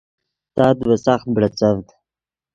تات ڤے ساخت بڑیڅڤد